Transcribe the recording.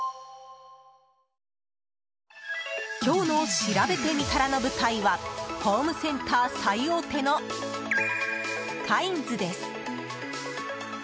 今日のしらべてみたらの舞台はホームセンター最大手のカインズです。